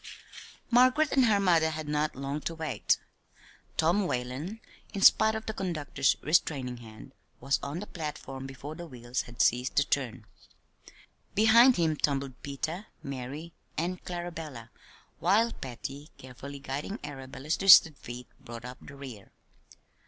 Margaret and her mother had not long to wait. Tom Whalen, in spite of the conductor's restraining hand, was on the platform before the wheels had ceased to turn. Behind him tumbled Peter, Mary, and Clarabella, while Patty, carefully guiding Arabella's twisted feet, brought up the rear.